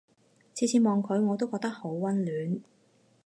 次次望佢我都覺得好溫暖